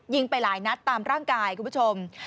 ไปหลายนัดตามร่างกายคุณผู้ชม